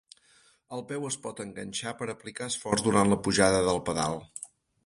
El peu es pot enganxar per aplicar esforç durant la pujada del pedal.